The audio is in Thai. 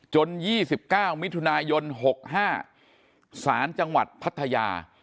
๒๙มิถุนายน๖๕สารจังหวัดพัทยา